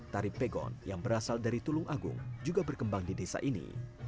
tari pegon yang berasal dari tulung agung juga berkembang di desa ini